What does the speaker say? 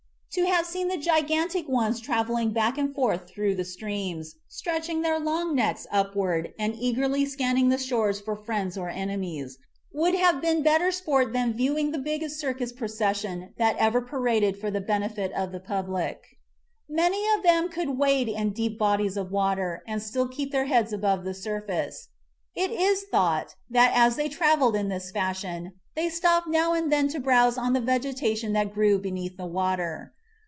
To have seen the gigantic ones traveling back and forth through the streams, stretching their long necks upward and eagerly scanning the shores for friends or enemies, would have been better sport THE MIGHTY DINOSAURS 23 than viewing the biggest circus procession that ever paraded for the benefit of the public. Many . of them could wade in deep bodies of water and still keep their heads above the surface. It is thought that as they traveled in this fashion they stopped now and then to browse on the vege tation that grew beneath the water.